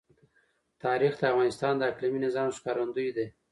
تاریخ د افغانستان د اقلیمي نظام ښکارندوی ده.